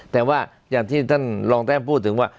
แต่ว่าอย่างที่ท่านรองแต้มพูดถึงว่า